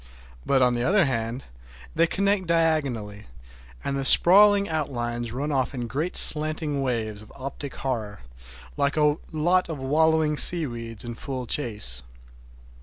But, on the other hand, they connect diagonally, and the sprawling outlines run off in great slanting waves of optic horror, like a lot of wallowing seaweeds in full chase.